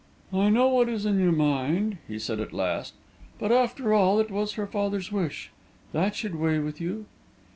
"I know what is in your mind," he said, at last. "But, after all, it was her father's wish. That should weigh with you."